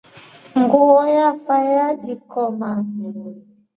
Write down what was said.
Nguo yafa yajikoma.